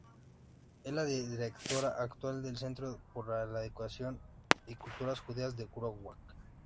Es la directora actual del Centro para la Educación y Cultura judías de Wroclaw.